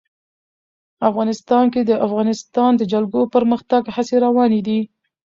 افغانستان کې د د افغانستان جلکو د پرمختګ هڅې روانې دي.